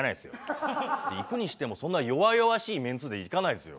行くにしてもそんな弱々しいメンツで行かないですよ。